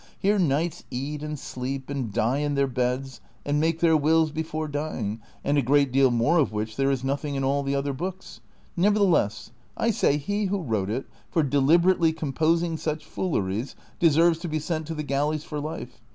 Here knights eat and sleep, and die in their beds, and make their wills before dying, and a great deal more of which there is nothing in all the other books. Nevertheless, I say he who wrote it, for deliberately composing such fooleries, deserves to be sent to the galleys for life.